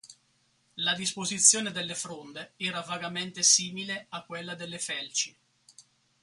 La disposizione delle fronde era vagamente simile a quella delle felci.